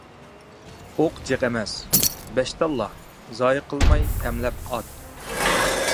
ئوق جىق ئەمەس، بەش تاللا . زايە قىلماي پەملەپ ئات .